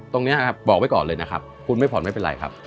ตรงนี้บอกไว้ก่อนเลยนะครับคุณไม่ผ่อนไม่เป็นไรครับ